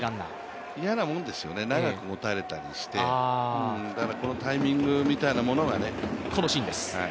嫌なものですよね、長くもたれたりしてだから、このタイミングみたいなものがね。